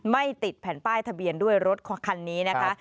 ไม่ติดแผ่นป้ายทะเบียนด้วยรถคันนี้นะคะ